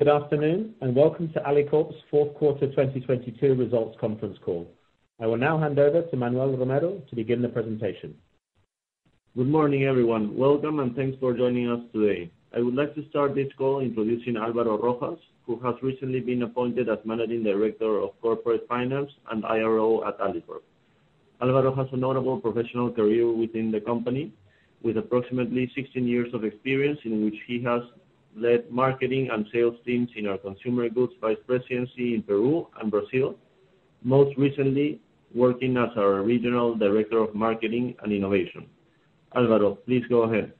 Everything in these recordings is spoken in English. Good afternoon, welcome to Alicorp's fourth quarter 2022 results conference call. I will now hand over to Manuel Romero to begin the presentation. Good morning, everyone. Welcome and thanks for joining us today. I would like to start this call introducing Alvaro Rojas, who has recently been appointed as Managing Director of Corporate Finance and IRO at Alicorp. Alvaro has a notable professional career within the company, with approximately 16 years of experience in which he has led marketing and sales teams in our consumer goods vice presidency in Peru and Brazil, most recently working as our Regional Director of Marketing and Innovation. Alvaro, please go ahead.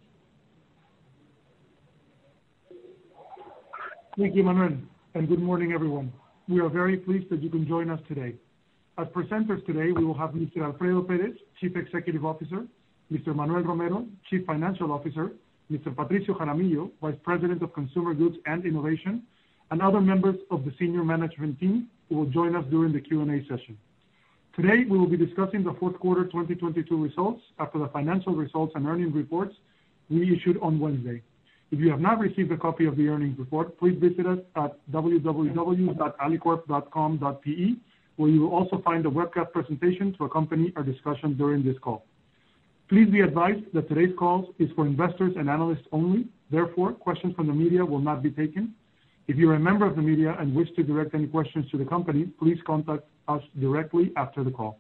Thank you, Manuel. Good morning, everyone. We are very pleased that you can join us today. As presenters today, we will have Mr. Alfredo Pérez, Chief Executive Officer, Mr. Manuel Romero, Chief Financial Officer, Mr. Patricio Jaramillo, Vice President of Consumer Goods and Innovation, and other members of the senior management team who will join us during the Q&A session. Today, we will be discussing the fourth quarter 2022 results after the financial results and earnings reports we issued on Wednesday. If you have not received a copy of the earnings report, please visit us at www.alicorp.com.pe, where you will also find the webcast presentation to accompany our discussion during this call. Please be advised that today's call is for investors and analysts only. Therefore, questions from the media will not be taken. If you're a member of the media and wish to direct any questions to the company, please contact us directly after the call.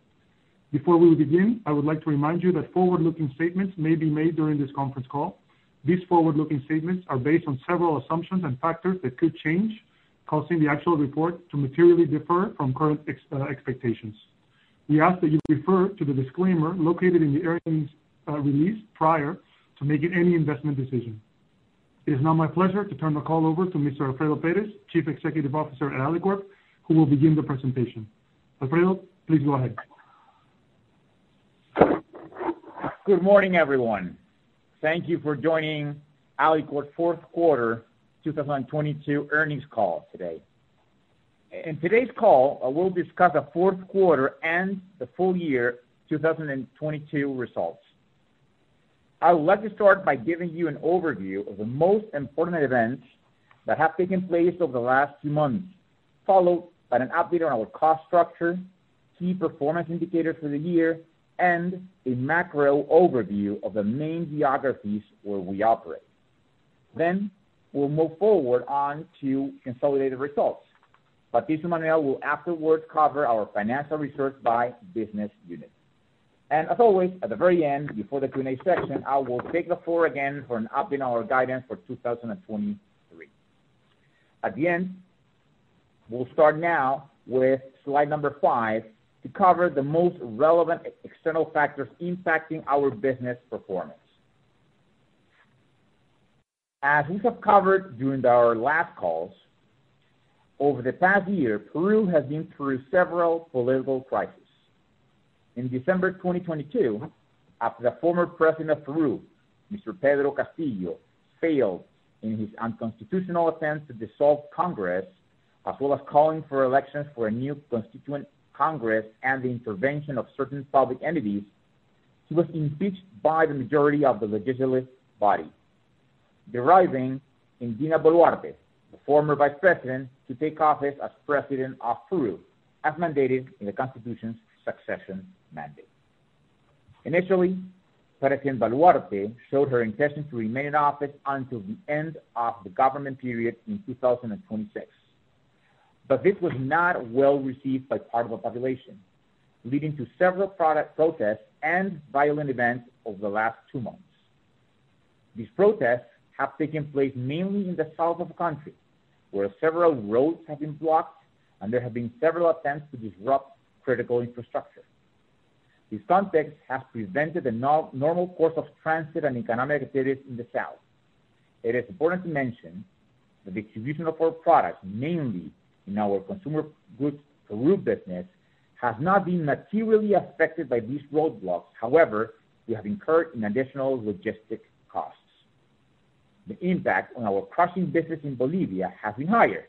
Before we begin, I would like to remind you that forward-looking statements may be made during this conference call. These forward-looking statements are based on several assumptions and factors that could change, causing the actual report to materially differ from current expectations. We ask that you refer to the disclaimer located in the earnings release prior to making any investment decision. It is now my pleasure to turn the call over to Mr. Alfredo Pérez, Chief Executive Officer at Alicorp, who will begin the presentation. Alfredo, please go ahead. Good morning, everyone. Thank you for joining Alicorp fourth quarter 2022 earnings call today. In today's call, I will discuss the fourth quarter and the full year 2022 results. I would like to start by giving you an overview of the most important events that have taken place over the last few months, followed by an update on our cost structure, key performance indicators for the year, and a macro overview of the main geographies where we operate. We'll move forward on to consolidated results. Patricio Manuel will afterwards cover our financial research by business unit. As always, at the very end, before the Q&A section, I will take the floor again for an update on our guidance for 2023. At the end, we'll start now with slide number 5 to cover the most relevant external factors impacting our business performance. As we have covered during our last calls, over the past year, Peru has been through several political crisis. In December 2022, after the former President of Peru, Mr. Pedro Castillo, failed in his unconstitutional attempt to dissolve Congress, as well as calling for elections for a new constituent Congress and the intervention of certain public entities, he was impeached by the majority of the legislative body, deriving in Dina Boluarte, the former Vice President, to take office as President of Peru, as mandated in the Constitution's succession mandate. Initially, President Boluarte showed her intention to remain in office until the end of the government period in 2026. This was not well received by part of the population, leading to several product protests and violent events over the last two months. These protests have taken place mainly in the south of the country, where several roads have been blocked and there have been several attempts to disrupt critical infrastructure. This context has prevented the normal course of transit and economic activities in the south. It is important to mention that the distribution of our products, mainly in our consumer goods Peru business, has not been materially affected by these roadblocks. We have incurred in additional logistic costs. The impact on our crushing business in Bolivia has been higher,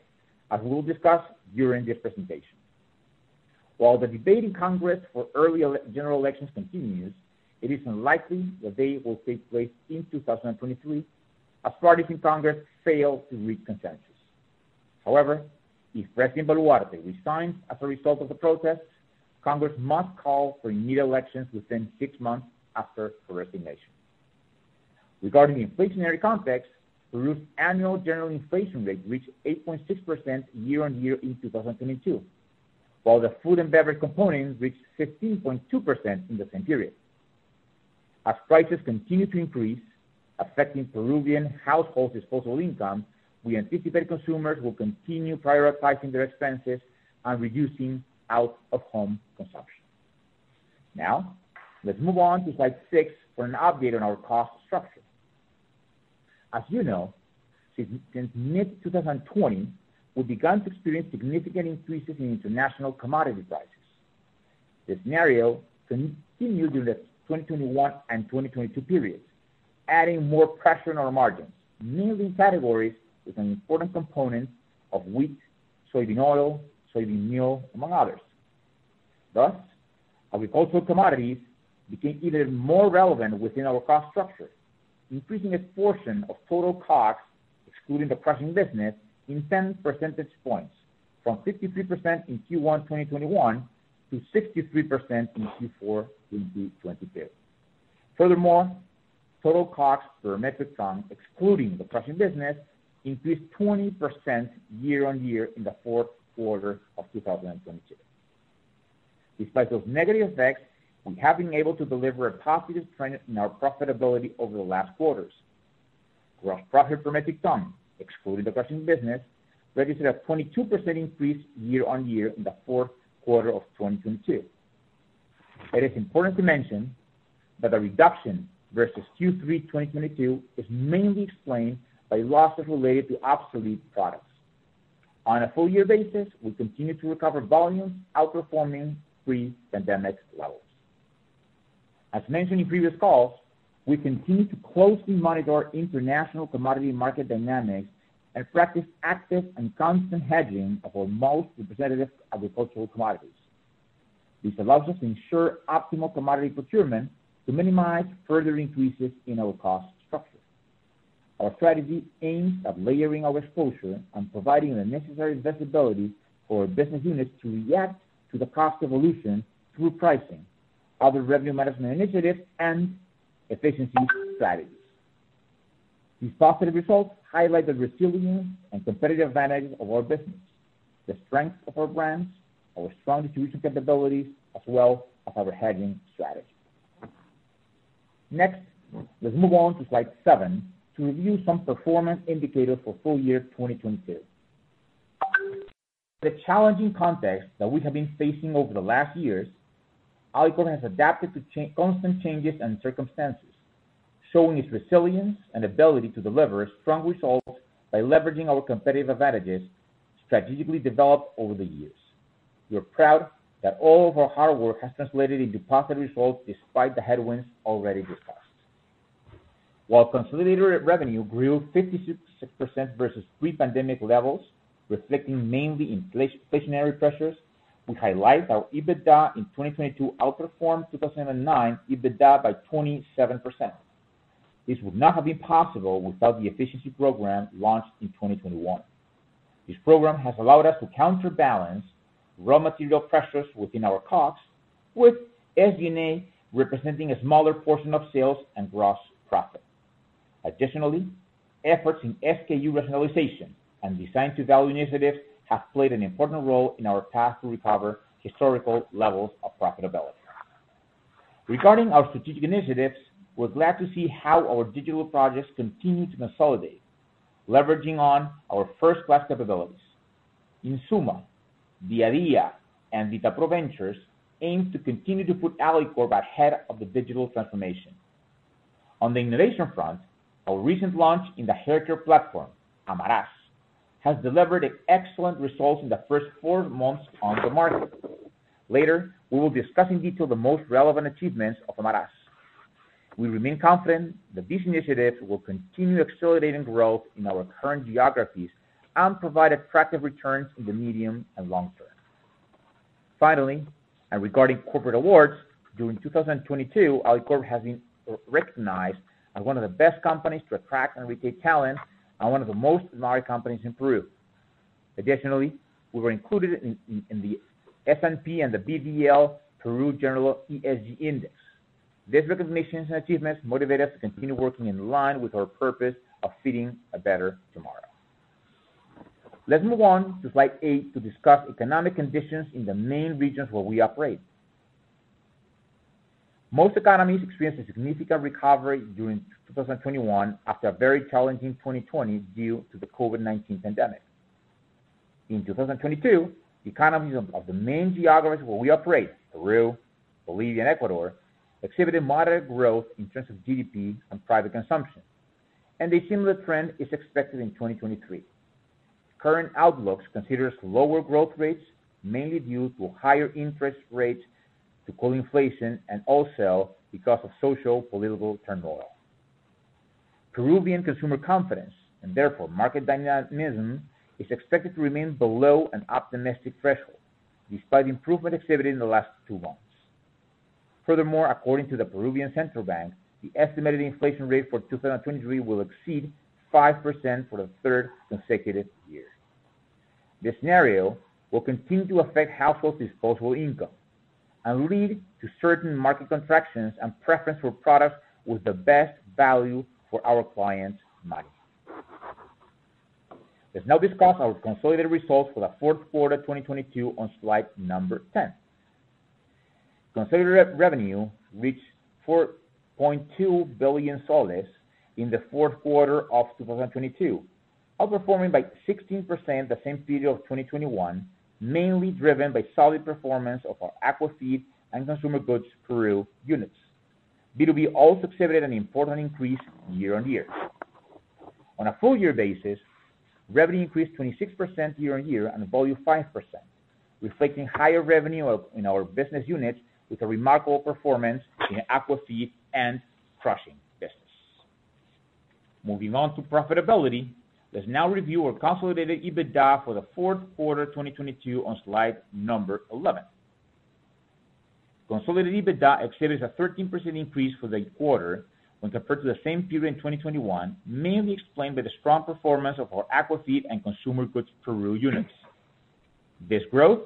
as we will discuss during this presentation. While the debate in Congress for early general elections continues, it is unlikely that they will take place in 2023 as parties in Congress fail to reach consensus. If President Boluarte resigns as a result of the protests, Congress must call for immediate elections within six months after her resignation. Regarding the inflationary context, Peru's annual general inflation rate reached 8.6% year-over-year in 2022, while the food and beverage component reached 15.2% in the same period. Prices continue to increase, affecting Peruvian household disposable income, we anticipate consumers will continue prioritizing their expenses and reducing out-of-home consumption. Let's move on to slide 6 for an update on our cost structure. You know, since mid-2020, we've begun to experience significant increases in international commodity prices. This scenario continued during the 2021 and 2022 periods, adding more pressure on our margins, mainly in categories with an important component of wheat, soybean oil, soybean meal, among others. Agricultural commodities became even more relevant within our cost structure, increasing its portion of total costs, excluding the crushing business, in 10 percentage points from 53% in Q1 2021 to 63% in Q4 2022. Total costs per metric ton, excluding the crushing business, increased 20% year-on-year in the fourth quarter of 2022. Despite those negative effects, we have been able to deliver a positive trend in our profitability over the last quarters. Gross profit per metric ton, excluding the crushing business, registered a 22% increase year-on-year in the fourth quarter of 2022. It is important to mention that the reduction versus Q3 2022 is mainly explained by losses related to obsolete products. On a full year basis, we continue to recover volumes outperforming pre-pandemic levels. As mentioned in previous calls, we continue to closely monitor international commodity market dynamics and practice active and constant hedging of our most representative agricultural commodities. This allows us to ensure optimal commodity procurement to minimize further increases in our cost structure. Our strategy aims at layering our exposure and providing the necessary visibility for our business units to react to the cost evolution through pricing, other revenue management initiatives, and efficiency strategies. These positive results highlight the resilience and competitive advantages of our business, the strength of our brands, our strong distribution capabilities, as well as our hedging strategy. Let's move on to slide seven to review some performance indicators for full year 2022. The challenging context that we have been facing over the last years, Alicorp has adapted to constant changes and circumstances, showing its resilience and ability to deliver strong results by leveraging our competitive advantages strategically developed over the years. We are proud that all of our hard work has translated into positive results despite the headwinds already discussed. While consolidated revenue grew 56% versus pre-pandemic levels, reflecting mainly inflation, inflationary pressures, we highlight our EBITDA in 2022 outperformed 2009 EBITDA by 27%. This would not have been possible without the efficiency program launched in 2021. This program has allowed us to counterbalance raw material pressures within our costs, with SG&A representing a smaller portion of sales and gross profit. Additionally, efforts in SKU rationalization and design-to-value initiatives have played an important role in our path to recover historical levels of profitability. Regarding our strategic initiatives, we're glad to see how our digital projects continue to consolidate, leveraging on our first-class capabilities. Insuma, Día a Día and DataPro Ventures aims to continue to put Alicorp ahead of the digital transformation. On the innovation front, our recent launch in the haircare platform, Amarás, has delivered excellent results in the first four months on the market. Later, we will discuss in detail the most relevant achievements of Amarás. We remain confident that these initiatives will continue accelerating growth in our current geographies and provide attractive returns in the medium and long term. Finally, regarding corporate awards, during 2022, Alicorp has been recognized as one of the best companies to attract and retain talent, and one of the most admired companies in Peru. Additionally, we were included in the S&P/BVL Peru General ESG Index. These recognitions and achievements motivate us to continue working in line with our purpose of feeding a better tomorrow. Let's move on to slide eight to discuss economic conditions in the main regions where we operate. Most economies experienced a significant recovery during 2021 after a very challenging 2020 due to the COVID-19 pandemic. In 2022, economies of the main geographies where we operate, Peru, Bolivia, and Ecuador, exhibited moderate growth in terms of GDP and private consumption, and a similar trend is expected in 2023. Current outlooks considers lower growth rates mainly due to higher interest rates to quell inflation and also because of social political turmoil. Peruvian consumer confidence, and therefore market dynamism, is expected to remain below an optimistic threshold, despite improvement exhibited in the last 2 months. According to the Peruvian central bank, the estimated inflation rate for 2023 will exceed 5% for the third consecutive year. This scenario will continue to affect household disposable income and lead to certain market contractions and preference for products with the best value for our clients' money. Let's now discuss our consolidated results for the fourth quarter 2022 on slide number 10. Consolidated re-revenue reached PEN 4.2 billion in the fourth quarter of 2022, outperforming by 16% the same period of 2021, mainly driven by solid performance of our aqua feed and consumer goods Peru units. B2B also exhibited an important increase year-over-year. On a full year basis, revenue increased 26% year-over-year and volume 5%, reflecting higher revenue in our business units with a remarkable performance in aqua feed and crushing business. Moving on to profitability. Let's now review our consolidated EBITDA for the fourth quarter 2022 on slide number 11. Consolidated EBITDA exceeds a 13% increase for the quarter when compared to the same period in 2021, mainly explained by the strong performance of our aqua feed and Consumer Goods Peru units. This growth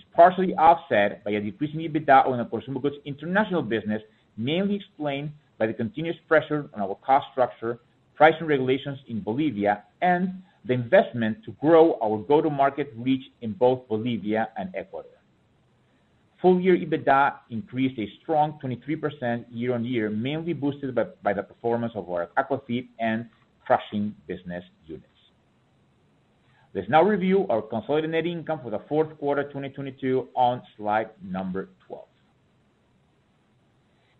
is partially offset by a decrease in EBITDA on the Consumer Goods International business, mainly explained by the continuous pressure on our cost structure, pricing regulations in Bolivia, and the investment to grow our go-to-market reach in both Bolivia and Ecuador. Full year EBITDA increased a strong 23% year-on-year, mainly boosted by the performance of our aqua feed and crushing business units. Let's now review our consolidated net income for the fourth quarter 2022 on slide number 12.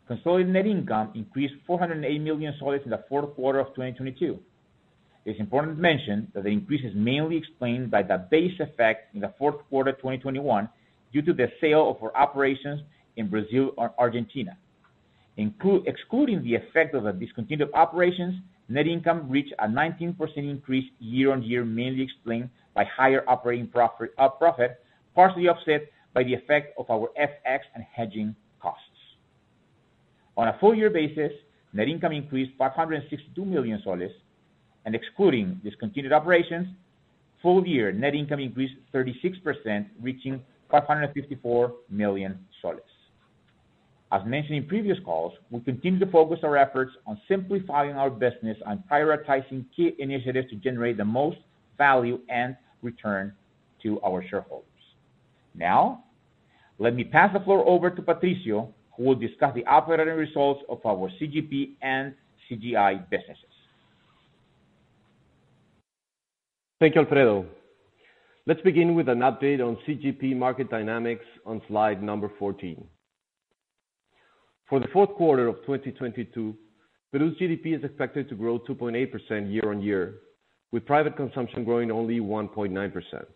Consolidated net income increased PEN 408 million in the fourth quarter of 2022. It's important to mention that the increase is mainly explained by the base effect in the fourth quarter of 2021 due to the sale of our operations in Brazil or Argentina. Excluding the effect of the discontinued operations, net income reached a 19% increase year-on-year, mainly explained by higher operating profit, partially offset by the effect of our FX and hedging costs. On a full year basis, net income increased PEN 562 million, excluding discontinued operations, full year net income increased 36%, reaching PEN 554 million. As mentioned in previous calls, we continue to focus our efforts on simplifying our business and prioritizing key initiatives to generate the most value and return to our shareholders. Let me pass the floor over to Patricio, who will discuss the operating results of our CGP and CGI businesses. Thank you, Alfredo. Let's begin with an update on CGP market dynamics on slide number 14. For the fourth quarter of 2022, Peru's GDP is expected to grow 2.8% year-over-year, with private consumption growing only 1.9%.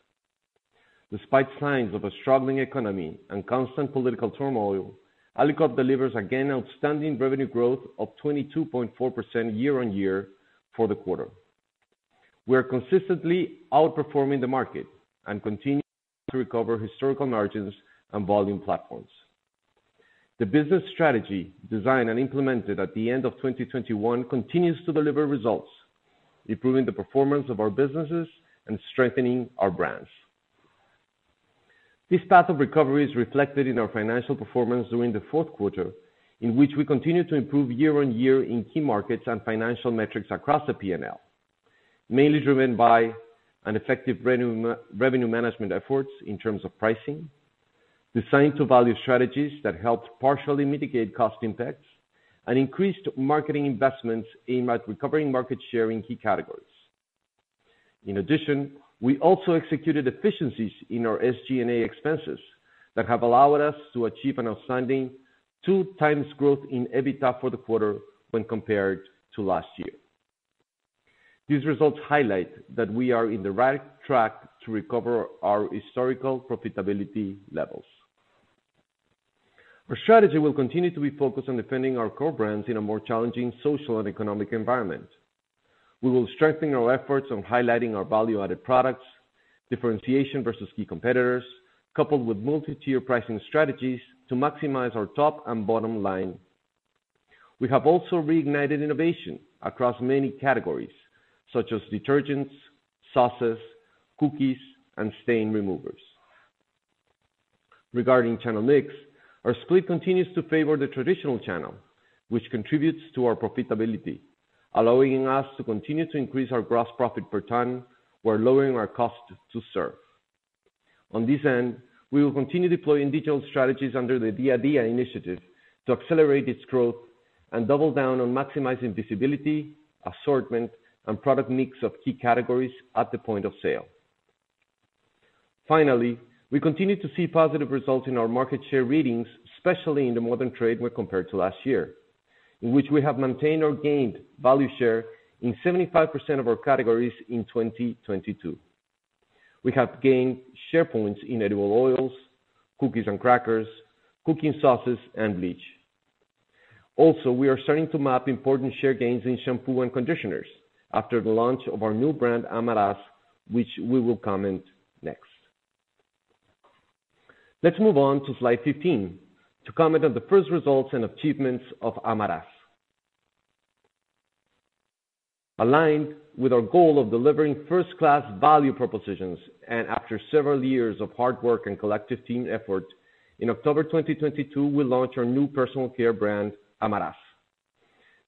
Despite signs of a struggling economy and constant political turmoil, Alicorp delivers again outstanding revenue growth of 22.4% year-over-year for the quarter. We are consistently outperforming the market and continuing to recover historical margins and volume platforms. The business strategy designed and implemented at the end of 2021 continues to deliver results, improving the performance of our businesses and strengthening our brands. This path of recovery is reflected in our financial performance during the fourth quarter, in which we continue to improve year-on-year in key markets and financial metrics across the P&L, mainly driven by an effective revenue management efforts in terms of pricing, design-to-value strategies that helped partially mitigate cost impacts, and increased marketing investments aimed at recovering market share in key categories. In addition, we also executed efficiencies in our SG&A expenses that have allowed us to achieve an outstanding two times growth in EBITDA for the quarter when compared to last year. These results highlight that we are in the right track to recover our historical profitability levels. Our strategy will continue to be focused on defending our core brands in a more challenging social and economic environment. We will strengthen our efforts on highlighting our value-added products, differentiation versus key competitors, coupled with multi-tier pricing strategies to maximize our top and bottom line. We have also reignited innovation across many categories, such as detergents, sauces, cookies, and stain removers. Regarding channel mix, our split continues to favor the traditional channel, which contributes to our profitability, allowing us to continue to increase our gross profit per ton while lowering our cost to serve. On this end, we will continue deploying digital strategies under the Día a Día initiative to accelerate its growth and double down on maximizing visibility, assortment, and product mix of key categories at the point of sale. Finally, we continue to see positive results in our market share readings, especially in the modern trade when compared to last year, in which we have maintained or gained value share in 75% of our categories in 2022. We have gained share points in edible oils, cookies and crackers, cooking sauces, and bleach. We are starting to map important share gains in shampoo and conditioners after the launch of our new brand, Amarás, which we will comment next. Let's move on to slide 15 to comment on the first results and achievements of Amarás. Aligned with our goal of delivering first-class value propositions, and after several years of hard work and collective team effort, in October 2022, we launched our new personal care brand, Amarás,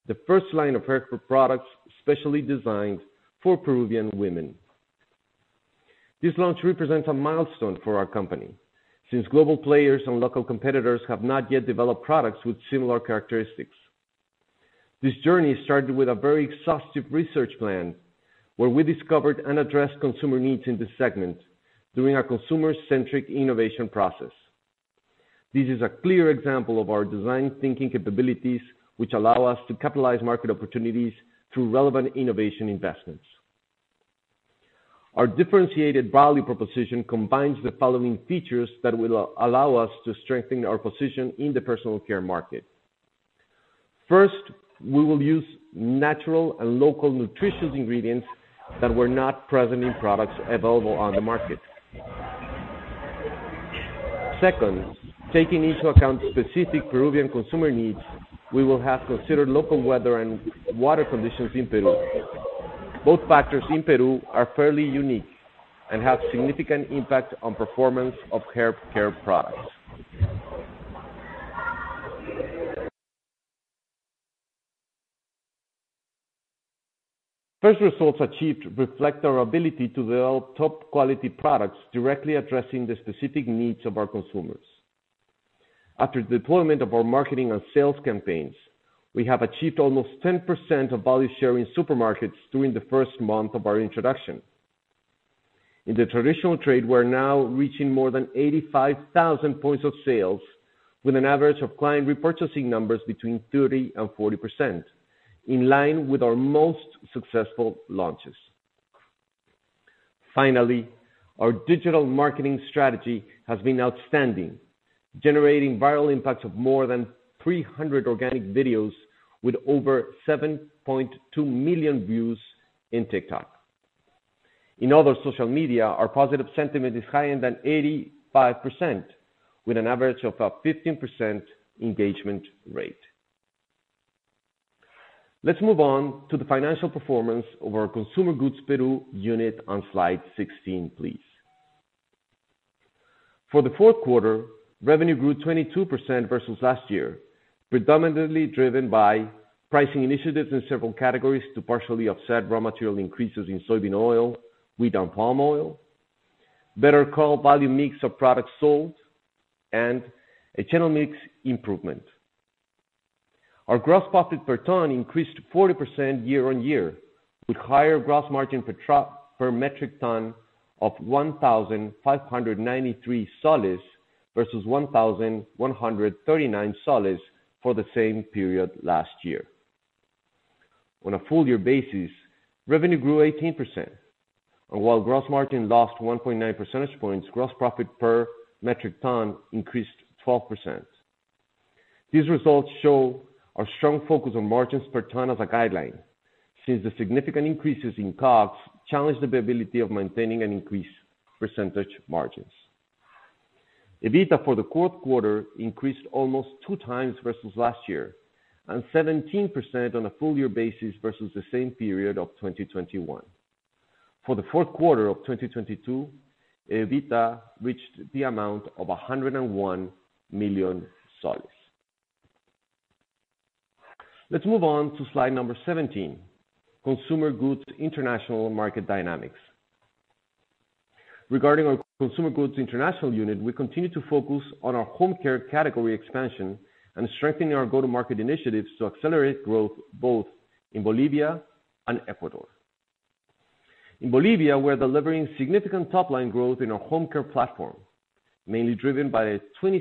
the first line of hair care products specially designed for Peruvian women. This launch represents a milestone for our company, since global players and local competitors have not yet developed products with similar characteristics. This journey started with a very exhaustive research plan, where we discovered and addressed consumer needs in this segment during our consumer-centric innovation process. This is a clear example of our design thinking capabilities, which allow us to capitalize market opportunities through relevant innovation investments. Our differentiated value proposition combines the following features that will allow us to strengthen our position in the personal care market. First, we will use natural and local nutritious ingredients that were not present in products available on the market. Second, taking into account specific Peruvian consumer needs, we will have considered local weather and water conditions in Peru. Both factors in Peru are fairly unique and have significant impact on performance of hair care products. First results achieved reflect our ability to develop top quality products directly addressing the specific needs of our consumers. After deployment of our marketing and sales campaigns, we have achieved almost 10% of value share in supermarkets during the first month of our introduction. In the traditional trade, we're now reaching more than 85,000 points of sales with an average of client repurchasing numbers between 30% and 40%, in line with our most successful launches. Finally, our digital marketing strategy has been outstanding, generating viral impacts of more than 300 organic videos with over 7.2 million views in TikTok. In other social media, our positive sentiment is higher than 85% with an average of a 15% engagement rate. Let's move on to the financial performance of our consumer goods Peru unit on slide 16, please. For the fourth quarter, revenue grew 22% versus last year, predominantly driven by pricing initiatives in several categories to partially offset raw material increases in soybean oil, wheat, and palm oil, better call volume mix of products sold, and a channel mix improvement. Our gross profit per ton increased 40% year-over-year, with higher gross margin per metric ton of PEN 1,593 soles versus PEN 1,139 soles for the same period last year. On a full year basis, revenue grew 18%. While gross margin lost 1.9 percentage points, gross profit per metric ton increased 12%. These results show our strong focus on margins per ton as a guideline, since the significant increases in COGS challenge the viability of maintaining an increased percentage margins. EBITDA for the fourth quarter increased almost 2x versus last year, and 17% on a full year basis versus the same period of 2021. For the fourth quarter of 2022, EBITDA reached the amount of PEN 101 million. Let's move on to slide number 17, Consumer Goods International Market Dynamics. Regarding our Consumer Goods International unit, we continue to focus on our home care category expansion and strengthening our go-to-market initiatives to accelerate growth both in Bolivia and Ecuador. In Bolivia, we're delivering significant top-line growth in our home care platform, mainly driven by a 26%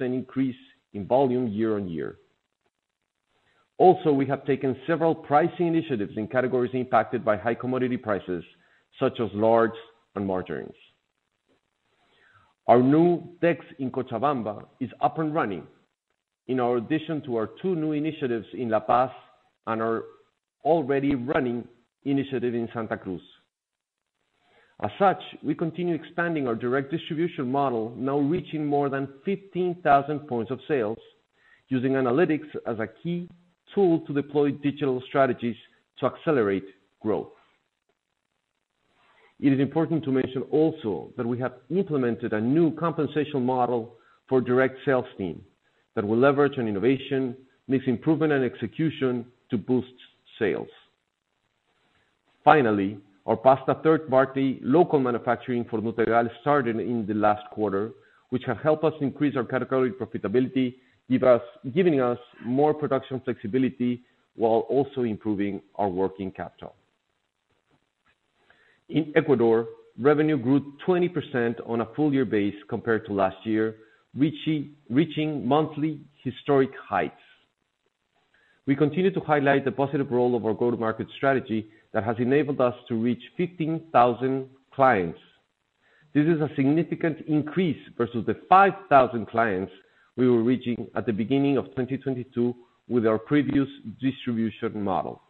increase in volume year-on-year. We have taken several pricing initiatives in categories impacted by high commodity prices, such as large and margarines. Our new decks in Cochabamba is up and running in our addition to our two new initiatives in La Paz and are already running initiative in Santa Cruz. As such, we continue expanding our direct distribution model, now reaching more than 15,000 points of sales using analytics as a key tool to deploy digital strategies to accelerate growth. It is important to mention also that we have implemented a new compensation model for direct sales team that will leverage an innovation, mix improvement and execution to boost sales. Finally, our pasta third-party local manufacturing for Nutregal started in the last quarter, which have helped us increase our category profitability, giving us more production flexibility while also improving our working capital. In Ecuador, revenue grew 20% on a full year base compared to last year, reaching monthly historic heights. We continue to highlight the positive role of our go-to-market strategy that has enabled us to reach 15,000 clients. This is a significant increase versus the 5,000 clients we were reaching at the beginning of 2022 with our previous distribution model.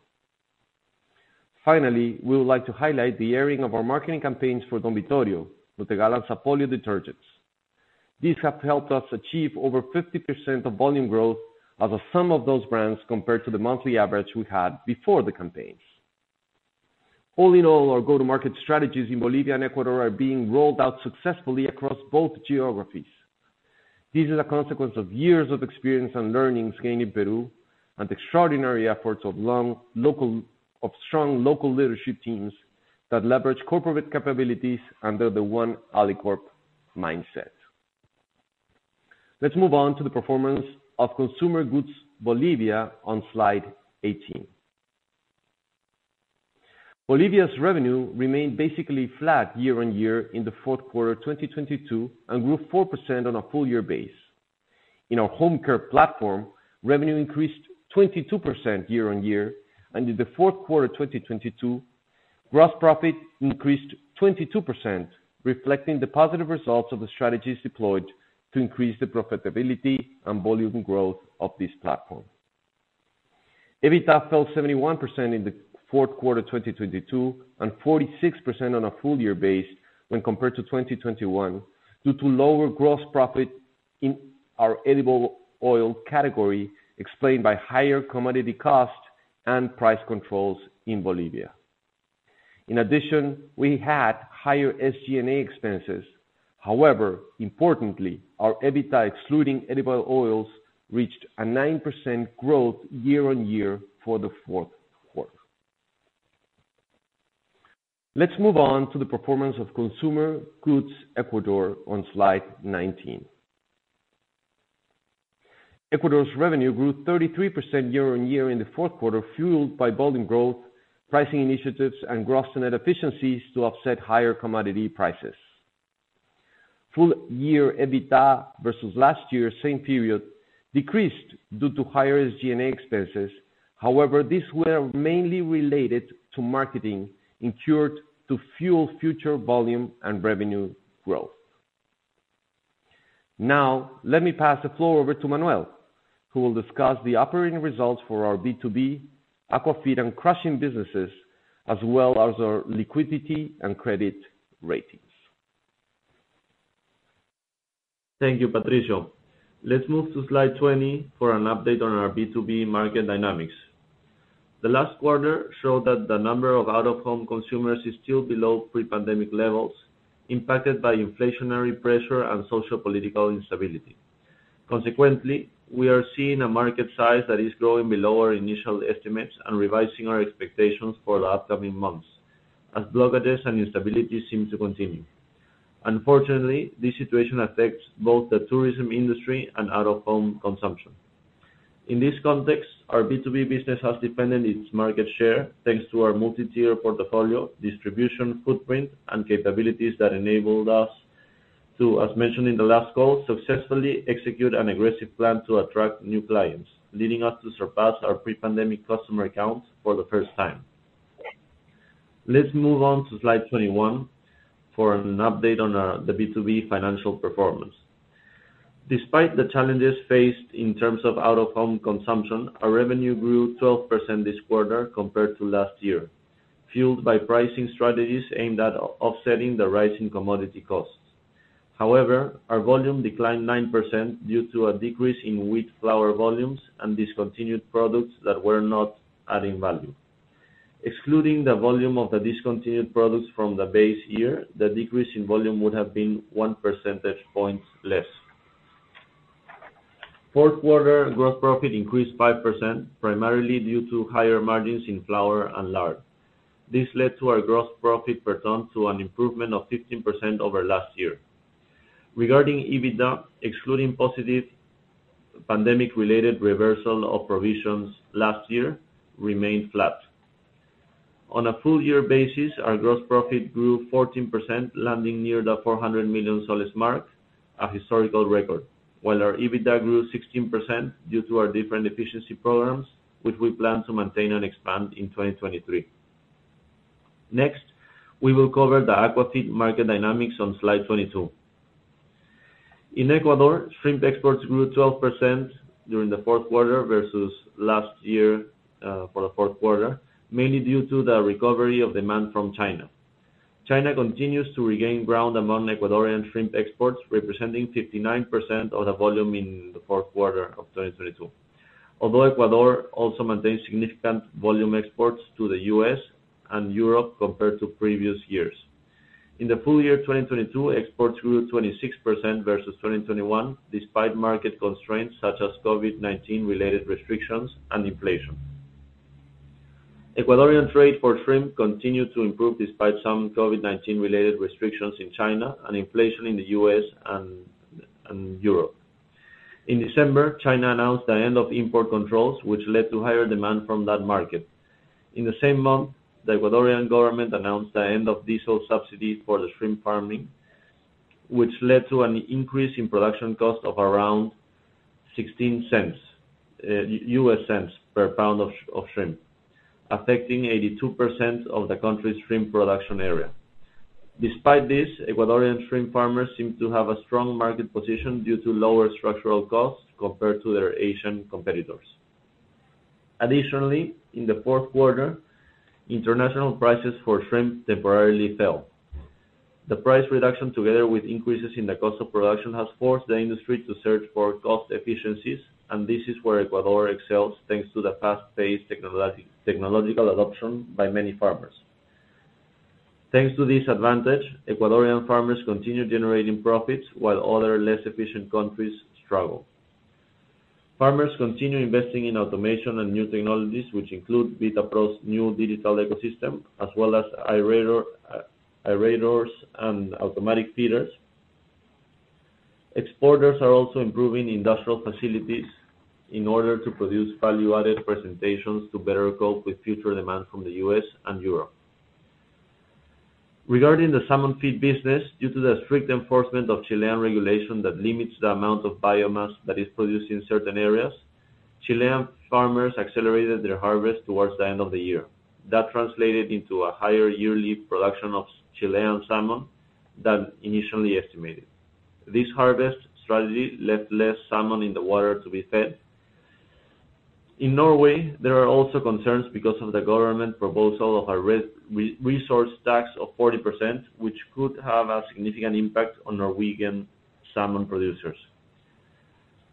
Finally, we would like to highlight the airing of our marketing campaigns for Don Vittorio, Nutregal and Sapolio detergents. These have helped us achieve over 50% of volume growth as a sum of those brands compared to the monthly average we had before the campaigns. All in all, our go-to-market strategies in Bolivia and Ecuador are being rolled out successfully across both geographies. This is a consequence of years of experience and learnings gained in Peru and extraordinary efforts of strong local leadership teams that leverage corporate capabilities under the one Alicorp mindset. Let's move on to the performance of consumer goods Bolivia on slide 18. Bolivia's revenue remained basically flat year-over-year in the fourth quarter of 2022 and grew 4% on a full-year base. In our home care platform, revenue increased 22% year-over-year, and in the fourth quarter 2022, gross profit increased 22%, reflecting the positive results of the strategies deployed to increase the profitability and volume growth of this platform. EBITDA fell 71% in the fourth quarter 2022, and 46% on a full-year base when compared to 2021 due to lower gross profit in our edible oil category, explained by higher commodity costs and price controls in Bolivia. In addition, we had higher SG&A expenses. However, importantly, our EBITDA, excluding edible oils, reached a 9% growth year-over-year for the fourth quarter. Let's move on to the performance of consumer goods, Ecuador, on slide 19. Ecuador's revenue grew 33% year-on-year in the fourth quarter, fueled by volume growth, pricing initiatives, and gross net efficiencies to offset higher commodity prices. Full year EBITDA versus last year same period decreased due to higher SG&A expenses. However, these were mainly related to marketing incurred to fuel future volume and revenue growth. Now, let me pass the floor over to Manuel, who will discuss the operating results for our B2B aqua feed and crushing businesses, as well as our liquidity and credit ratings. Thank you, Patricio. Let's move to slide 20 for an update on our B2B market dynamics. The last quarter showed that the number of out-of-home consumers is still below pre-pandemic levels, impacted by inflationary pressure and social political instability. We are seeing a market size that is growing below our initial estimates and revising our expectations for the upcoming months as blockages and instability seem to continue. Unfortunately, this situation affects both the tourism industry and out-of-home consumption. In this context, our B2B business has defended its market share, thanks to our multi-tier portfolio, distribution footprint, and capabilities that enabled us to, as mentioned in the last call, successfully execute an aggressive plan to attract new clients, leading us to surpass our pre-pandemic customer accounts for the first time. Let's move on to slide 21 for an update on the B2B financial performance. Despite the challenges faced in terms of out-of-home consumption, our revenue grew 12% this quarter compared to last year, fueled by pricing strategies aimed at offsetting the rise in commodity costs. Our volume declined 9% due to a decrease in wheat flour volumes and discontinued products that were not adding value. Excluding the volume of the discontinued products from the base year, the decrease in volume would have been 1 percentage point less. Fourth quarter gross profit increased 5%, primarily due to higher margins in flour and lard. This led to our gross profit return to an improvement of 15% over last year. Regarding EBITDA, excluding positive pandemic-related reversal of provisions last year remained flat. On a full year basis, our gross profit grew 14%, landing near the PEN 400 million soles mark, a historical record, while our EBITDA grew 16% due to our different efficiency programs, which we plan to maintain and expand in 2023. We will cover the aquafeed market dynamics on slide 22. In Ecuador, shrimp exports grew 12% during the 4th quarter versus last year, for the 4th quarter, mainly due to the recovery of demand from China. China continues to regain ground among Ecuadorian shrimp exports, representing 59% of the volume in the fourth quarter of 2022. Although Ecuador also maintains significant volume exports to the US and Europe compared to previous years. In the full year 2022, exports grew 26% versus 2021, despite market constraints such as COVID-19 related restrictions and inflation. Ecuadorian trade for shrimp continued to improve despite some COVID-19 related restrictions in China and inflation in the U.S. And Europe. In December, China announced the end of import controls, which led to higher demand from that market. In the same month, the Ecuadorian government announced the end of diesel subsidies for the shrimp farming, which led to an increase in production cost of around $0.16 per pound of shrimp, affecting 82% of the country's shrimp production area. Despite this, Ecuadorian shrimp farmers seem to have a strong market position due to lower structural costs compared to their Asian competitors. Additionally, in the fourth quarter, international prices for shrimp temporarily fell. The price reduction, together with increases in the cost of production, has forced the industry to search for cost efficiencies. This is where Ecuador excels, thanks to the fast-paced technological adoption by many farmers. Thanks to this advantage, Ecuadorian farmers continue generating profits while other less efficient countries struggle. Farmers continue investing in automation and new technologies, which include Vitapro's new digital ecosystem, as well as aerators and automatic feeders. Exporters are also improving industrial facilities in order to produce value-added presentations to better cope with future demand from the U.S. and Europe. Regarding the salmon feed business, due to the strict enforcement of Chilean regulation that limits the amount of biomass that is produced in certain areas, Chilean farmers accelerated their harvest towards the end of the year. That translated into a higher yearly production of Chilean salmon than initially estimated. This harvest strategy left less salmon in the water to be fed. In Norway, there are also concerns because of the government proposal of a resource tax of 40%, which could have a significant impact on Norwegian salmon producers.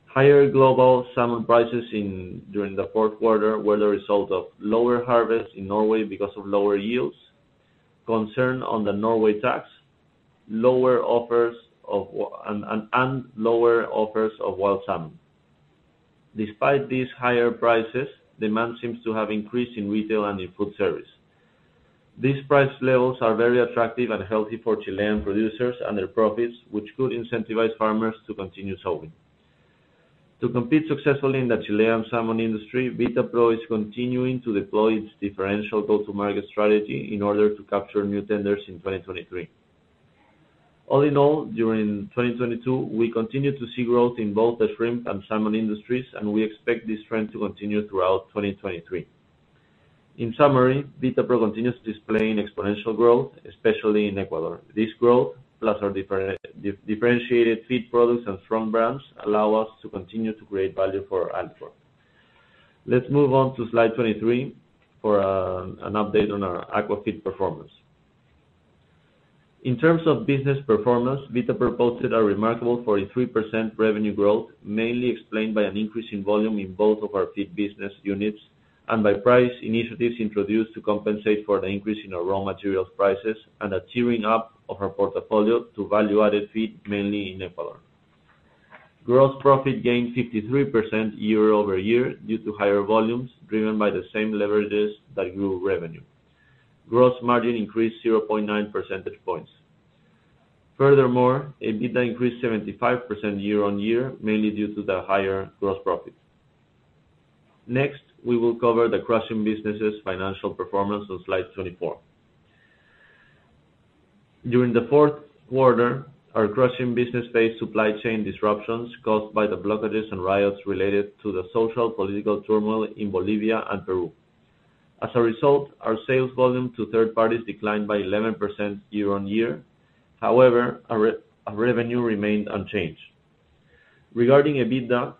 Higher global salmon prices during the fourth quarter were the result of lower harvest in Norway because of lower yields, concern on the Norway tax, lower offers of and lower offers of wild salmon. Despite these higher prices, demand seems to have increased in retail and in food service. These price levels are very attractive and healthy for Chilean producers and their profits, which could incentivize farmers to continue sowing. To compete successfully in the Chilean salmon industry, Vitapro is continuing to deploy its differential go-to-market strategy in order to capture new tenders in 2023. All in all, during 2022, we continued to see growth in both the shrimp and salmon industries, and we expect this trend to continue throughout 2023. In summary, Vitapro continues displaying exponential growth, especially in Ecuador. This growth, plus our differentiated feed products and strong brands, allow us to continue to create value for Alicorp. Let's move on to slide 23 for an update on our aqua feed performance. In terms of business performance, Vitapro posted a remarkable 43% revenue growth, mainly explained by an increase in volume in both of our feed business units and by price initiatives introduced to compensate for the increase in our raw materials prices and a tiering up of our portfolio to value-added feed, mainly in Ecuador. Gross profit gained 53% year-over-year due to higher volumes driven by the same leverages that grew revenue. Gross margin increased 0.9 percentage points. EBITDA increased 75% year-on-year, mainly due to the higher gross profit. We will cover the crushing business's financial performance on slide 24. During the fourth quarter, our crushing business faced supply chain disruptions caused by the blockages and riots related to the sociopolitical turmoil in Bolivia and Peru. Our sales volume to third parties declined by 11% year-on-year. Our revenue remained unchanged. Regarding EBITDA,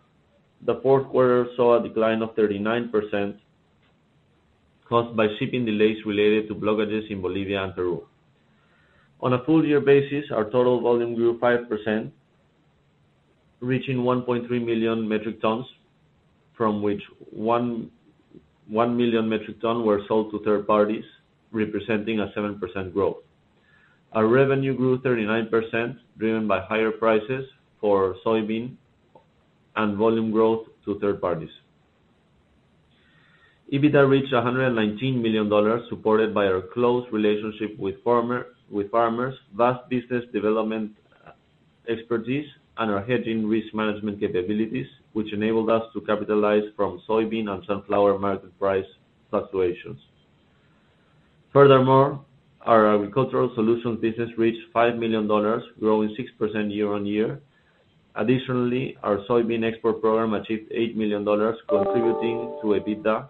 the fourth quarter saw a decline of 39% caused by shipping delays related to blockages in Bolivia and Peru. On a full year basis, our total volume grew 5%, reaching 1.3 million metric tons, from which 1 million metric tons were sold to third parties, representing a 7% growth. Our revenue grew 39%, driven by higher prices for soybean and volume growth to third parties. EBITDA reached $119 million, supported by our close relationship with farmers, vast business development expertise, and our hedging risk management capabilities, which enabled us to capitalize from soybean and sunflower market price fluctuations. Our agricultural solutions business reached $5 million, growing 6% year-over-year. Our soybean export program achieved $8 million, contributing to EBITDA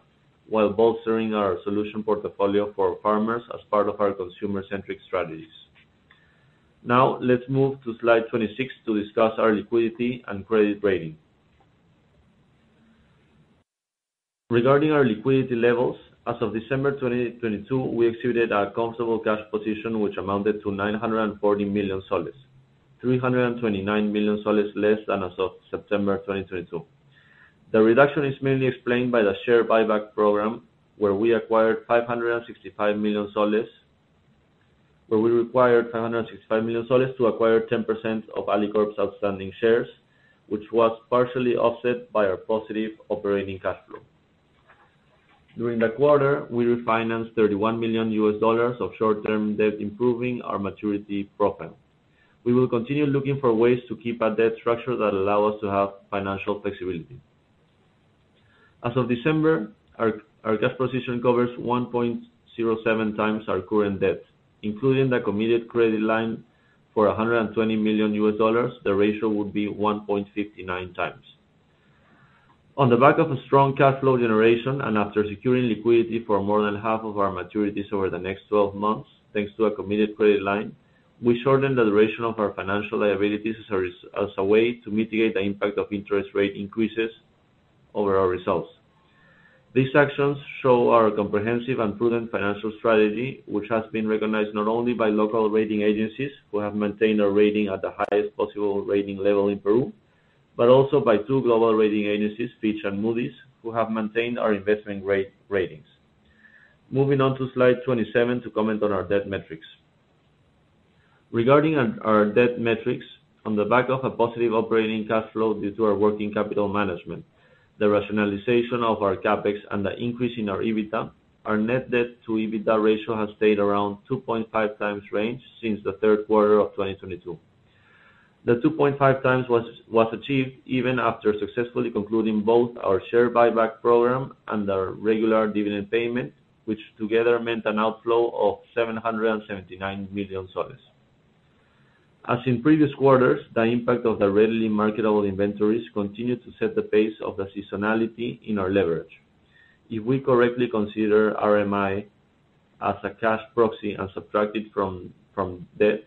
while bolstering our solution portfolio for farmers as part of our consumer-centric strategies. Let's move to slide 26 to discuss our liquidity and credit rating. Regarding our liquidity levels, as of December 2022, we exceeded our comfortable cash position, which amounted to PEN 940 million, PEN 329 million less than as of September 2022. The reduction is mainly explained by the share buyback program, where we required PEN 565 million to acquire 10% of Alicorp's outstanding shares, which was partially offset by our positive operating cash flow. During the quarter, we refinanced $31 million of short-term debt, improving our maturity profile. We will continue looking for ways to keep a debt structure that allow us to have financial flexibility. As of December, our cash position covers 1.07x our current debt. Including the committed credit line for $120 million, the ratio would be 1.59x. On the back of a strong cash flow generation and after securing liquidity for more than half of our maturities over the next 12 months, thanks to a committed credit line, we shortened the duration of our financial liabilities as a way to mitigate the impact of interest rate increases over our results. These actions show our comprehensive and prudent financial strategy, which has been recognized not only by local rating agencies, who have maintained a rating at the highest possible rating level in Peru, but also by two global rating agencies, Fitch and Moody's, who have maintained our investment rate ratings. Moving on to slide 27 to comment on our debt metrics. Regarding our debt metrics, on the back of a positive operating cash flow due to our working capital management, the rationalization of our CapEx and the increase in our EBITDA, our net debt to EBITDA ratio has stayed around 2.5x range since the third quarter of 2022. The 2.5x was achieved even after successfully concluding both our share buyback program and our regular dividend payment, which together meant an outflow of PEN 779 million. As in previous quarters, the impact of the readily marketable inventories continued to set the pace of the seasonality in our leverage. If we correctly consider RMI as a cash proxy and subtract it from debt,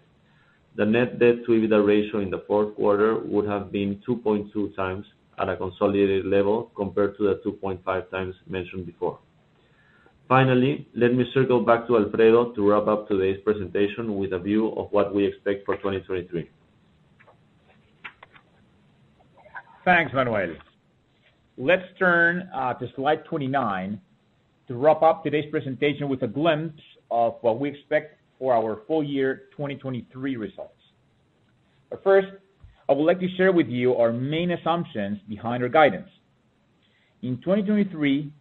the net debt to EBITDA ratio in the fourth quarter would have been 2.2x at a consolidated level compared to the 2.5x mentioned before. Let me circle back to Alfredo to wrap up today's presentation with a view of what we expect for 2023. Thanks, Manuel. Let's turn to slide 29 to wrap up today's presentation with a glimpse of what we expect for our full year 2023 results. First, I would like to share with you our main assumptions behind our guidance. In 2023,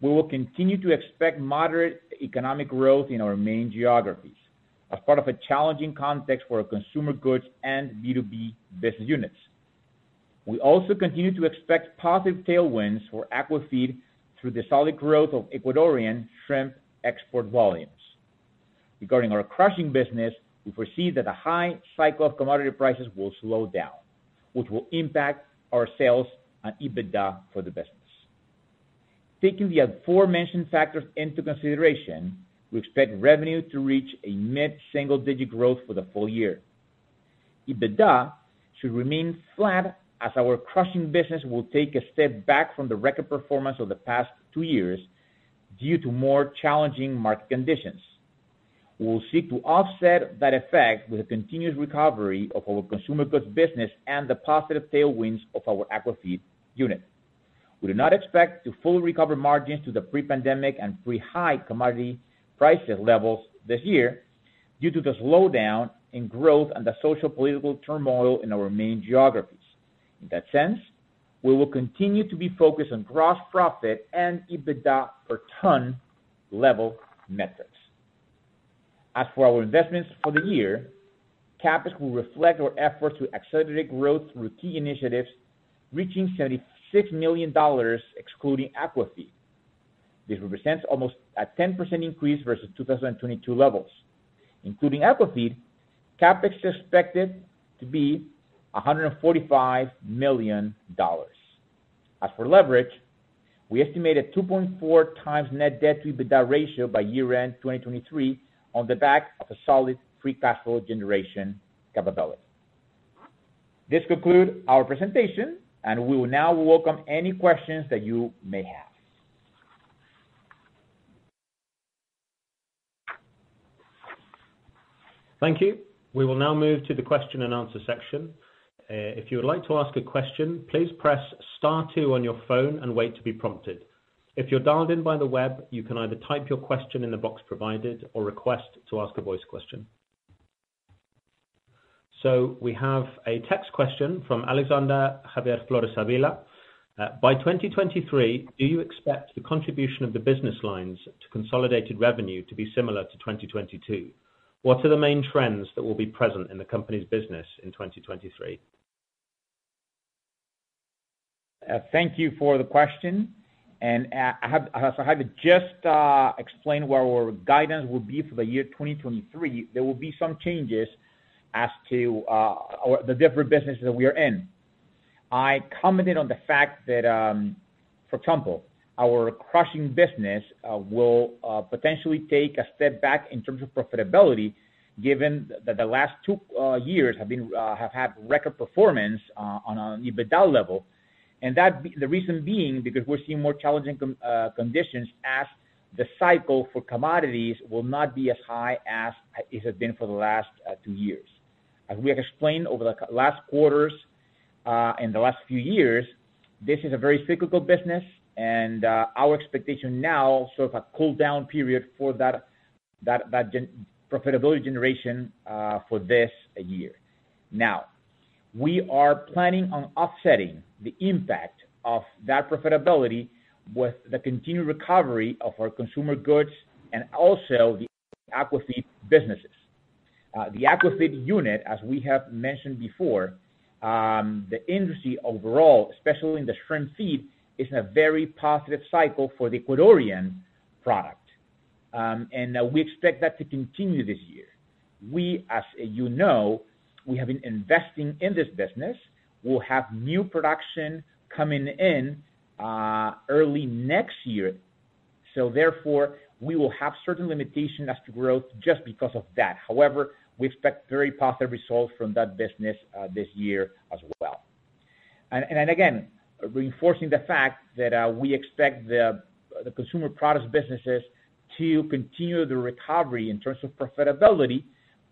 we will continue to expect moderate economic growth in our main geographies as part of a challenging context for our consumer goods and B2B business units. We also continue to expect positive tailwinds for aqua feed through the solid growth of Ecuadorian shrimp export volumes. Regarding our crushing business, we foresee that the high cycle of commodity prices will slow down, which will impact our sales and EBITDA for the business. Taking the aforementioned factors into consideration, we expect revenue to reach a mid-single digit growth for the full year. EBITDA should remain flat as our crushing business will take a step back from the record performance of the past two years due to more challenging market conditions. We will seek to offset that effect with a continuous recovery of our consumer goods business and the positive tailwinds of our aqua feed unit. We do not expect to fully recover margins to the pre-pandemic and pre-high commodity prices levels this year due to the slowdown in growth and the social political turmoil in our main geographies. In that sense, we will continue to be focused on gross profit and EBITDA per ton level metrics. As for our investments for the year, CapEx will reflect our efforts to accelerate growth through key initiatives, reaching $76 million excluding aqua feed. This represents almost a 10% increase versus 2022 levels. Including aqua feed, CapEx is expected to be $145 million. For leverage, we estimate a 2.4x net debt to EBITDA ratio by year-end 2023 on the back of a solid free cash flow generation capability. This conclude our presentation, we will now welcome any questions that you may have. Thank you. We will now move to the question and answer section. If you would like to ask a question, please press star two on your phone and wait to be prompted. If you're dialed in by the web, you can either type your question in the box provided or request to ask a voice question. We have a text question from Alexander Flores Avila. By 2023, do you expect the contribution of the business lines to consolidated revenue to be similar to 2022? What are the main trends that will be present in the company's business in 2023? Thank you for the question. I have, as I have just explained where our guidance will be for the year 2023, there will be some changes as to the different businesses that we are in. I commented on the fact that, for example, our crushing business will potentially take a step back in terms of profitability, given that the last two years have been have had record performance on an EBITDA level. The reason being because we're seeing more challenging conditions as the cycle for commodities will not be as high as it has been for the last two years. As we have explained over the last quarters, in the last few years, this is a very cyclical business and our expectation now, sort of a cool-down period for that profitability generation for this year. We are planning on offsetting the impact of that profitability with the continued recovery of our consumer goods and also the aqua feed businesses. The aqua feed unit, as we have mentioned before, the industry overall, especially in the shrimp feed, is in a very positive cycle for the Ecuadorian product. We expect that to continue this year. We, as you know, we have been investing in this business, will have new production coming in early next year. Therefore, we will have certain limitations as to growth just because of that. However, we expect very positive results from that business this year as well. Again, reinforcing the fact that we expect the consumer products businesses to continue the recovery in terms of profitability,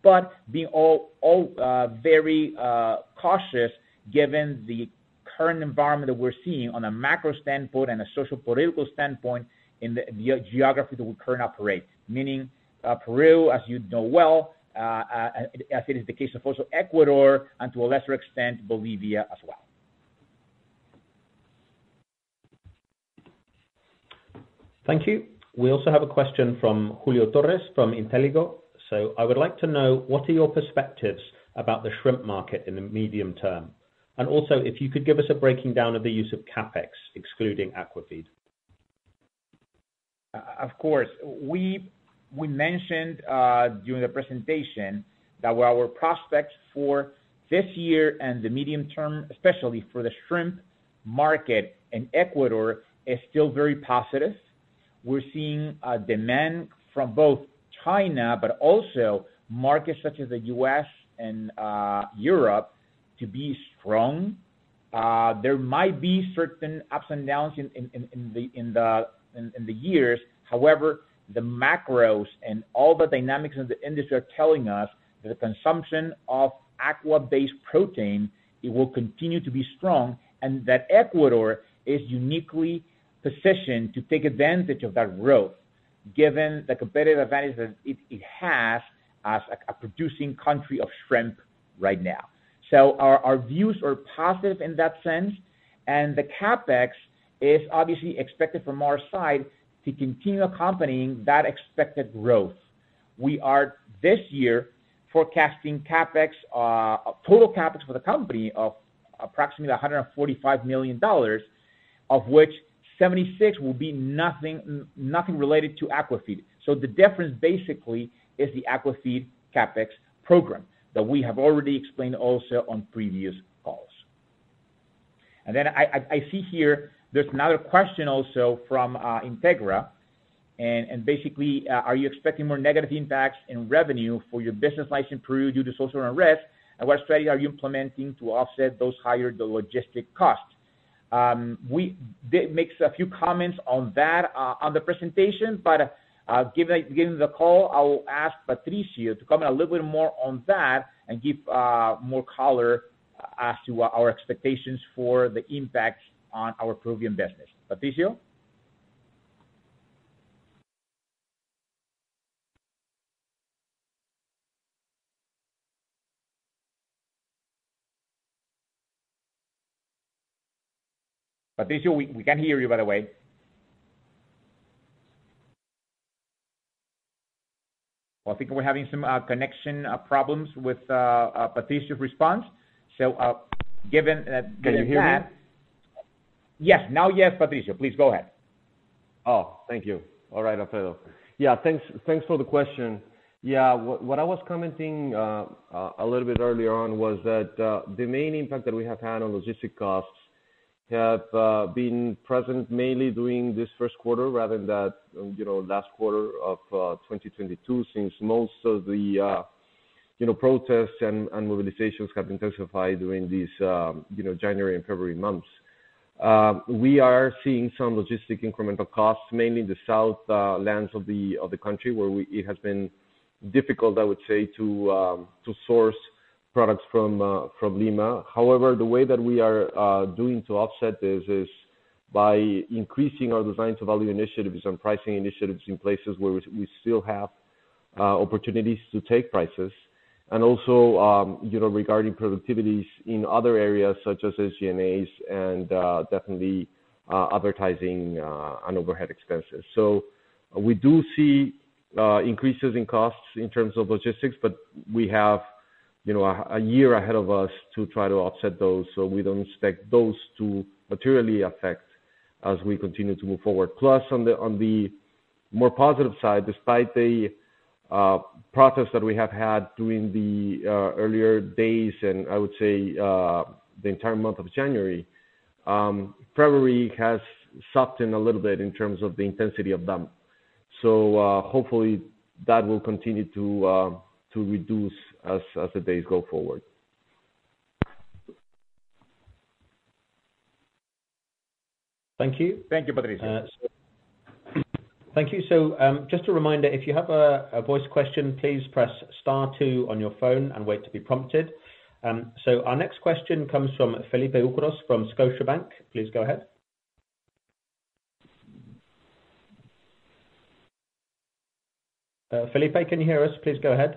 but being all very cautious given the current environment that we're seeing on a macro standpoint and a social political standpoint in the geography that we currently operate. Meaning Peru, as you know well, as it is the case of also Ecuador and to a lesser extent, Bolivia as well. Thank you. We also have a question from Julio Torres from Intéligo. I would like to know, what are your perspectives about the shrimp market in the medium term? Also, if you could give us a breaking down of the use of CapEx, excluding aqua feed. Of course. We mentioned, during the presentation that our prospects for this year and the medium term, especially for the shrimp market in Ecuador, is still very positive. We're seeing a demand from both China but also markets such as the U.S. and Europe, to be strong. There might be certain ups and downs in the years. However, the macros and all the dynamics in the industry are telling us that the consumption of aqua-based protein, it will continue to be strong, and that Ecuador is uniquely positioned to take advantage of that growth, given the competitive advantage that it has as a producing country of shrimp right now. Our views are positive in that sense, and the CapEx is obviously expected from our side to continue accompanying that expected growth. We are, this year, forecasting CapEx, total CapEx for the company of approximately $145 million, of which 76 will be nothing related to Aquafeed. The difference basically is the Aquafeed CapEx program that we have already explained also on previous calls. I see here there's another question also from Integra. Basically, are you expecting more negative impacts in revenue for your business life in Peru due to social unrest? What strategy are you implementing to offset those higher logistic costs? We did makes a few comments on that on the presentation, but given the call, I will ask Patricio to comment a little bit more on that and give more color as to what our expectations for the impact on our Peruvian business. Patricio? Patricio, we can't hear you, by the way. Well, I think we're having some connection problems with Patricio's response. Given that that is the case. Can you hear me? Yes. Now yes, Patricio. Please go ahead. Oh, thank you. All right, Alfredo. Yeah, thanks for the question. Yeah, what I was commenting a little bit earlier on was that the main impact that we have had on logistic costs have been present mainly during this first quarter rather than the, you know, last quarter of 2022, since most of the, you know, protests and mobilizations have intensified during these, you know, January and February months. We are seeing some logistic incremental costs, mainly in the south, lands of the country, where it has been difficult, I would say, to source products from Lima. However, the way that we are doing to offset this is by increasing our design-to-value initiatives and pricing initiatives in places where we still have opportunities to take prices. Also, you know, regarding productivities in other areas, such as SG&As and, definitely, advertising and overhead expenses. We do see increases in costs in terms of logistics, but we have, you know, a year ahead of us to try to offset those, so we don't expect those to materially affect as we continue to move forward. On the, on the more positive side, despite the protests that we have had during the earlier days and I would say, the entire month of January, February has softened a little bit in terms of the intensity of them. Hopefully that will continue to reduce as the days go forward. Thank you. Thank you, Patricio. Thank you. Just a reminder, if you have a voice question, please press star two on your phone and wait to be prompted. Our next question comes from Felipe Ucrós from Scotiabank. Please go ahead. Felipe, can you hear us? Please go ahead.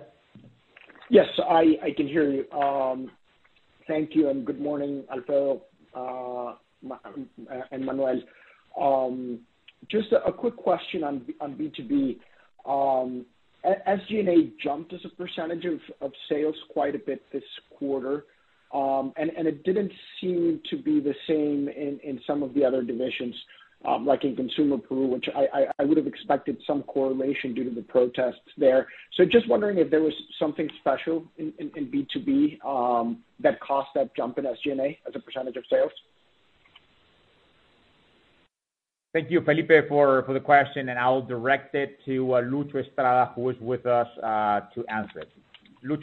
Yes, I can hear you. Thank you and good morning, Alfredo, and Manuel. Just a quick question on B2B. SG&A jumped as a percentage of sales quite a bit this quarter, and it didn't seem to be the same in some of the other divisions, like in consumer Peru, which I would have expected some correlation due to the protests there. Just wondering if there was something special in B2B that caused that jump in SG&A as a percentage of sales? Thank you, Felipe, for the question, and I'll direct it to Lucho Estrada, who is with us to answer it. Luis?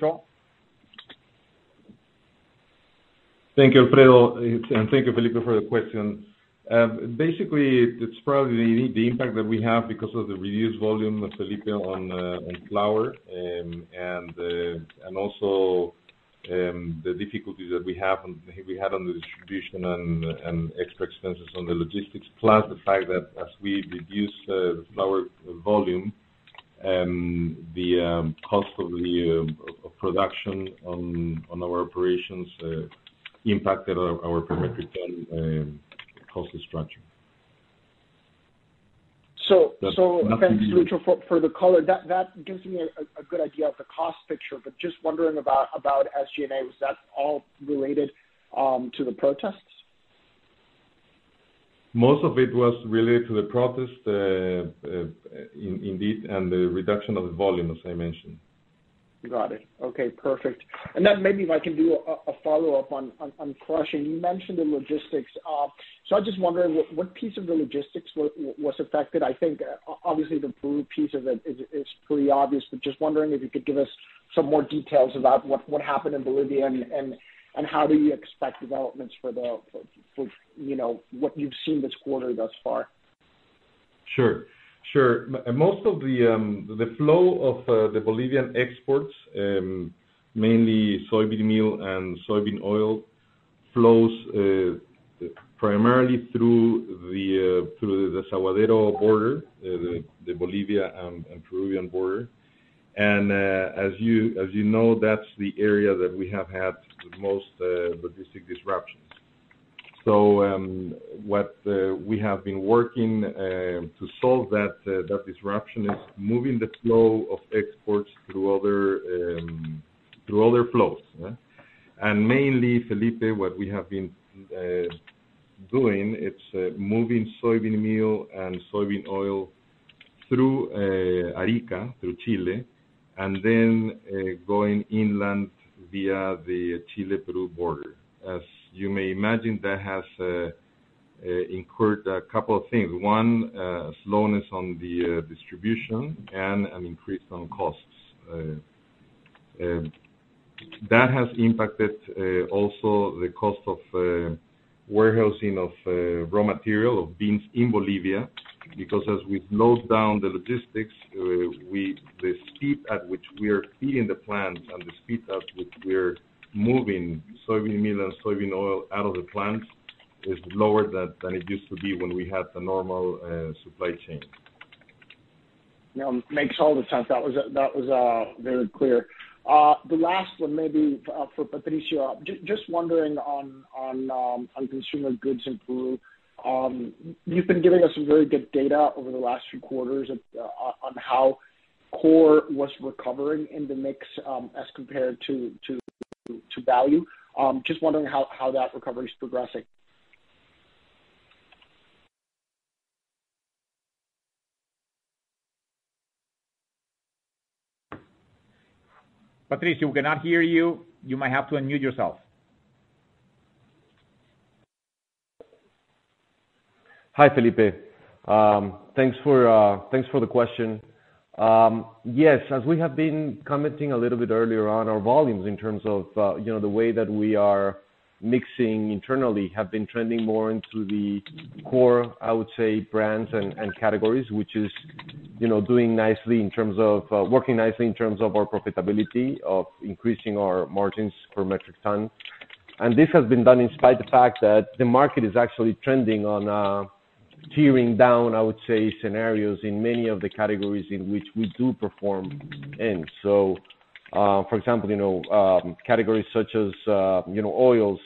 Thank you, Alfredo, and thank you, Felipe, for the question. Basically it's probably the impact that we have because of the reduced volume of Felipe on flower, and also the difficulties that we had on the distribution and extra expenses on the logistics. Plus the fact that as we reduce the flower volume. The cost of the production on our operations impacted our per metric ton cost structure. So, so. That's nothing to do with. Thanks, Luis, for the color. That gives me a good idea of the cost picture. Just wondering about SG&A. Was that all related to the protests? Most of it was related to the protests, indeed, and the reduction of volume, as I mentioned. Got it. Okay, perfect. Maybe if I can do a follow-up on crushing. You mentioned the logistics. I was just wondering what piece of the logistics was affected? I think obviously the Peru piece of it is pretty obvious. Just wondering if you could give us some more details about what happened in Bolivia and how do you expect developments for, you know, what you've seen this quarter thus far? Sure. Sure. Most of the flow of the Bolivian exports, mainly soybean meal and soybean oil, flows primarily through the Desaguadero border, the Bolivia and Peruvian border. As you know, that's the area that we have had the most logistic disruptions. What we have been working to solve that disruption is moving the flow of exports through other through other flows, yeah? Mainly, Felipe, what we have been doing, it's moving soybean meal and soybean oil through Arica, through Chile, and then going inland via the Chile-Peru border. As you may imagine, that has incurred a couple of things. One, slowness on the distribution and an increase on costs. That has impacted also the cost of warehousing of raw material, of beans in Bolivia. As we've closed down the logistics, the speed at which we are feeding the plants and the speed at which we're moving soybean meal and soybean oil out of the plants is lower than it used to be when we had the normal supply chain. No, makes all the sense. That was very clear. The last one maybe for Patricio. Just wondering on consumer goods in Peru. You've been giving us some very good data over the last few quarters on how core was recovering in the mix, as compared to value. Just wondering how that recovery's progressing. Patricio, we cannot hear you. You might have to unmute yourself. Hi, Felipe. Thanks for the question. Yes, as we have been commenting a little bit earlier on our volumes in terms of, you know, the way that we are mixing internally have been trending more into the core, I would say, brands and categories, which is, you know, doing nicely in terms of, working nicely in terms of our profitability, of increasing our margins per metric ton. This has been done in spite the fact that the market is actually trending on tiering down, I would say, scenarios in many of the categories in which we do perform in. For example, categories such as oils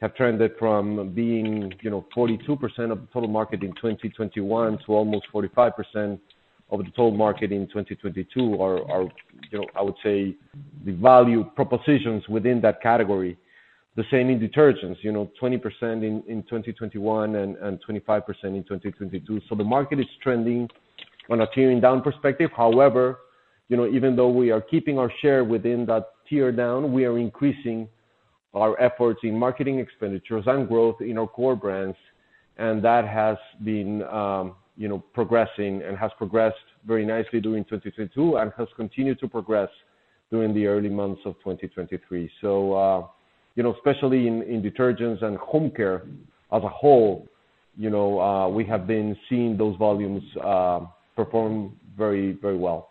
have trended from being 42% of the total market in 2021 to almost 45% of the total market in 2022, I would say the value propositions within that category. The same in detergents. 20% in 2021 and 25% in 2022. The market is trending on a tiering down perspective. However, even though we are keeping our share within that tier down, we are increasing our efforts in marketing expenditures and growth in our core brands. That has been progressing and has progressed very nicely during 2022 and has continued to progress during the early months of 2023. You know, especially in detergents and home care as a whole, you know, we have been seeing those volumes perform very, very well.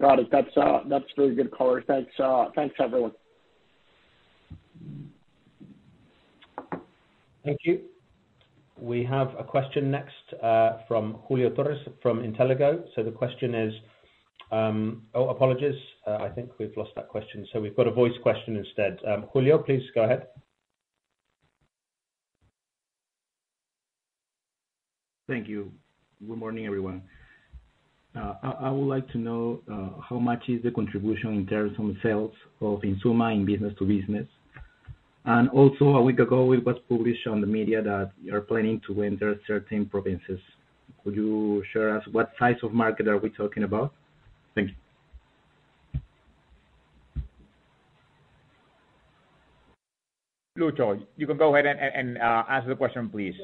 Got it. That's really good color. Thanks, everyone. Thank you. We have a question next, from Julio Torres from Intéligo. The question is. Oh, apologies. I think we've lost that question. We've got a voice question instead. Julio, please go ahead. Thank you. Good morning, everyone. I would like to know, how much is the contribution in terms of sales of Insuma in business to business? Also, a week ago, it was published on the media that you're planning to enter certain provinces. Could you share us what size of market are we talking about? Thank you. Luis, you can go ahead and answer the question, please.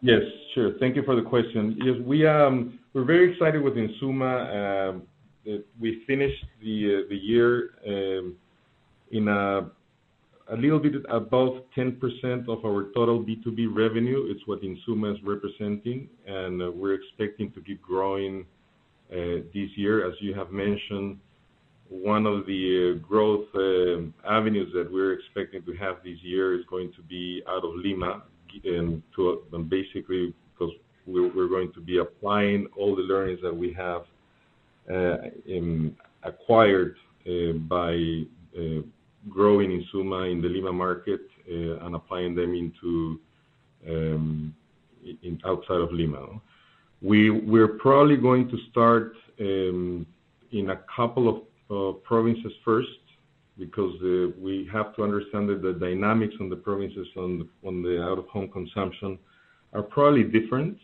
Yes, sure. Thank you for the question. Yes, we're very excited with Insuma, that we finished the year in a little bit above 10% of our total B2B revenue is what Insuma is representing, and we're expecting to keep growing this year. As you have mentioned. One of the growth avenues that we're expecting to have this year is going to be out of Lima. Basically, because we're going to be applying all the learnings that we have acquired by growing in Insuma in the Lima market and applying them into outside of Lima. We're probably going to start in a couple of provinces first because we have to understand that the dynamics on the provinces on the out-of-home consumption are probably different.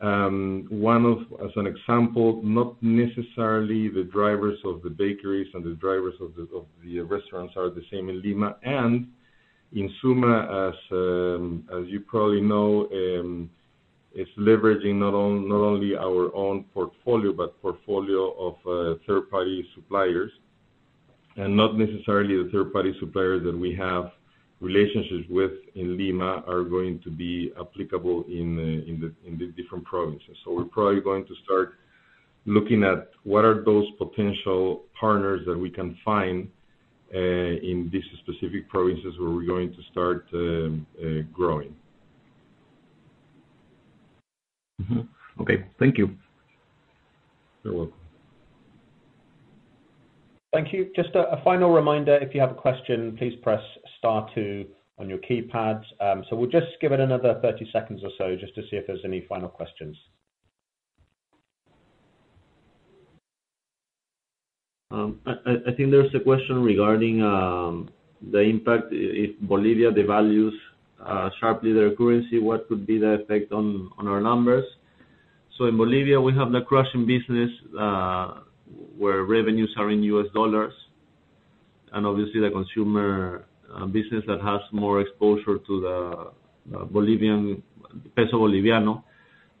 One of, as an example, not necessarily the drivers of the bakeries and the drivers of the restaurants are the same in Lima and in Insuma. As you probably know, it's leveraging not only our own portfolio, but portfolio of third party suppliers. Not necessarily the third party suppliers that we have relationships with in Lima are going to be applicable in the different provinces. We're probably going to start looking at what are those potential partners that we can find in these specific provinces where we're going to start growing. Okay. Thank you. You're welcome. Thank you. Just a final reminder, if you have a question, please press star two on your keypads. We'll just give it another 30 seconds or so just to see if there's any final questions. I think there's a question regarding the impact if Bolivia devalues sharply their currency, what could be the effect on our numbers? In Bolivia we have the crushing business, where revenues are in U.S. Dollars and obviously the consumer business that has more exposure to the Bolivian peso boliviano.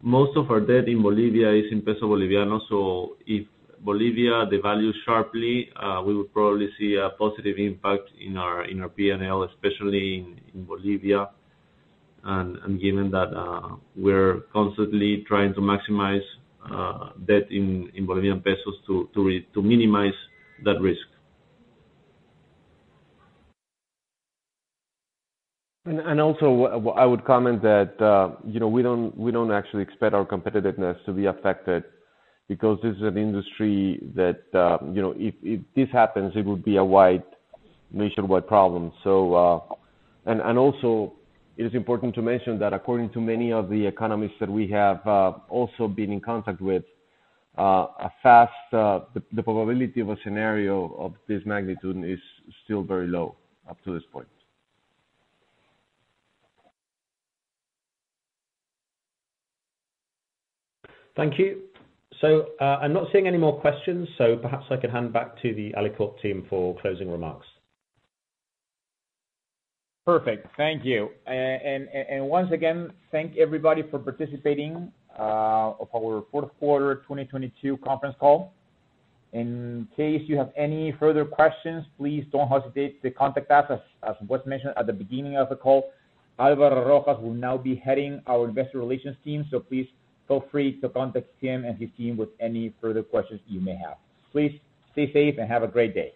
Most of our debt in Bolivia is in peso boliviano. If Bolivia devalues sharply, we would probably see a positive impact in our P&L, especially in Bolivia. Given that we're constantly trying to maximize debt in Bolivianos to minimize that risk. Also I would comment that, you know, we don't actually expect our competitiveness to be affected because this is an industry that, you know, if this happens, it would be a wide nationwide problem. Also it is important to mention that according to many of the economists that we have also been in contact with, a fast, the probability of a scenario of this magnitude is still very low up to this point. Thank you. I'm not seeing any more questions, so perhaps I can hand back to the Alicorp team for closing remarks. Perfect. Thank you. Once again, thank everybody for participating of our fourth quarter 2022 conference call. In case you have any further questions, please don't hesitate to contact us. As was mentioned at the beginning of the call, Álvaro Rojas will now be heading our investor relations team, so please feel free to contact him and his team with any further questions you may have. Please stay safe and have a great day.